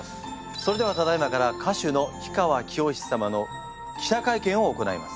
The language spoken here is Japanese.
それではただいまから歌手の氷川きよし様の記者会見を行います。